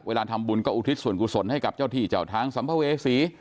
ทำบุญก็อุทิศส่วนกุศลให้กับเจ้าที่เจ้าทางสัมภเวษี